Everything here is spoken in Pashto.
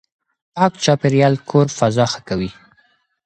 پاک چاپېريال کور فضا ښه کوي.